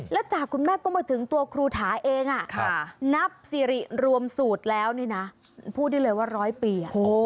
แล้วจากคุณแม่ก็มาถึงตัวครูถาเองนับสิริรวมสูตรแล้วนี่นะพูดได้เลยว่าร้อยปี